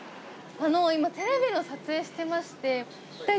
今テレビの撮影してまして。